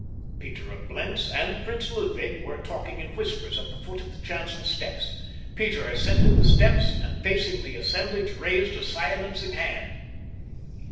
Peter of Blentz and Prince Ludwig were talking in whispers at the foot of the chancel steps. Peter ascended the steps and facing the assemblage raised a silencing hand.